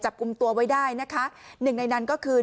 จับกลุ่มตัวไว้ได้นะคะหนึ่งในนั้นก็คือ